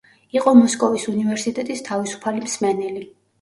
იყო მოსკოვის უნივერსიტეტის თავისუფალი მსმენელი.